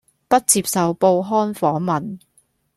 不接受報刊訪問